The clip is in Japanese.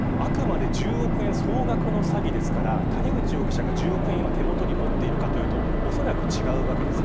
あくまで１０億円総額の詐欺ですから、谷口容疑者が１０億円を手元に持っているかというとおそらく違うわけです。